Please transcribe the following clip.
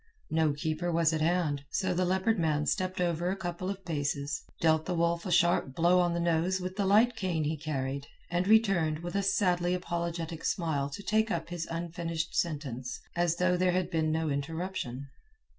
No keeper was at hand, so the Leopard Man stepped over a couple of paces, dealt the wolf a sharp blow on the nose with the light cane he carried, and returned with a sadly apologetic smile to take up his unfinished sentence as though there had been no interruption.